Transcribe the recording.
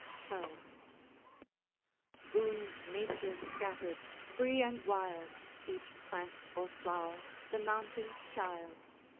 XII. Boon nature scattered, free and wild, Each plant or flower, the mountain's child.